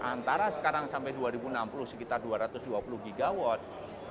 antara sekarang sampai dua ribu enam puluh sekitar dua ratus dua puluh gigawatt